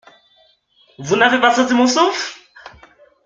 Vous n’avez pas senti mon souffle ?